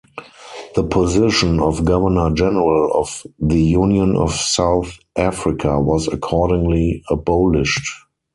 The position of Governor-General of the Union of South Africa was accordingly abolished.